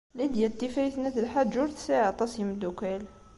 Lidya n Tifrit n At Lḥaǧ ur tesɛi aṭas n yimeddukal.